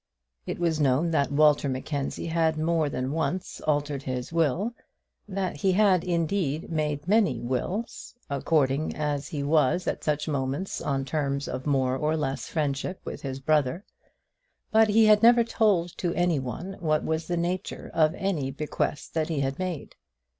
It was known that Walter Mackenzie had more than once altered his will that he had, indeed, made many wills according as he was at such moments on terms of more or less friendship with his brother; but he had never told to any one what was the nature of any bequest that he had made.